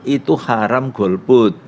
itu haram golput